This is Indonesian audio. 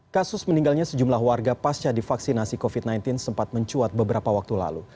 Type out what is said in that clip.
kasus meninggalnya sejumlah warga pasca divaksinasi covid sembilan belas sempat mencuat beberapa waktu lalu